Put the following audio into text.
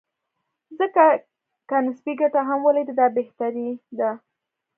ځکه که نسبي ګټه هم ولري، دا بهتري ده.